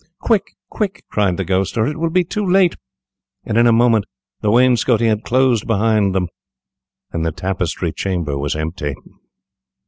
"Quick, quick," cried the Ghost, "or it will be too late," and in a moment the wainscoting had closed behind them, and the Tapestry Chamber was empty.